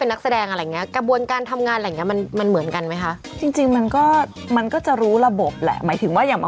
เป็นหมดเลยเห็นไหมครับเห็นไหมครับ